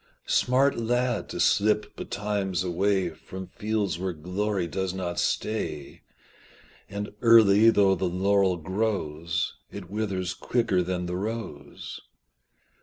Smart lad, to slip betimes away From fields where glory does not stay And early though the laurel grows It withers quicker than the rose.